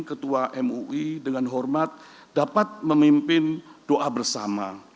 ketua mui dengan hormat dapat memimpin doa bersama